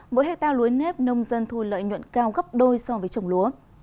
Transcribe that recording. mỗi hectare lúa nếp nông dân thu lợi nhuận cao gấp đôi so với trồng lúa